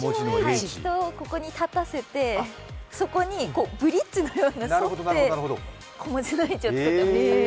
ここに人を立たせてここにブリッジのようにそって小文字のｈを作ってみました。